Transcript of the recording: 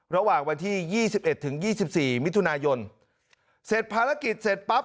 ระหว่างวันที่ยี่สิบเอ็ดถึงยี่สิบสี่มิถุนายนเสร็จภารกิจเสร็จปั๊บ